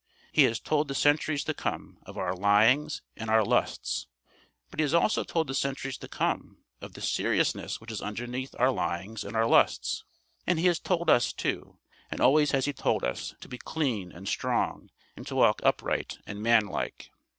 He has told the centuries to come of our lyings and our lusts, but he has also told the centuries to come of the seriousness which is underneath our lyings and our lusts. And he has told us, too, and always has he told us, to be clean and strong and to walk upright and manlike.